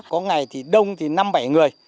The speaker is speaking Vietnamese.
có ngày thì đông thì năm bảy người